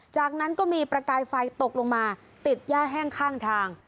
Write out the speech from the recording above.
จากนั้นก็มีประกายไฟตกลงมาติดย่าแห้งข้างทาง